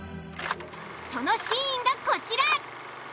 そのシーンがこちら。